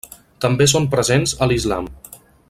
També són presents a l'islam.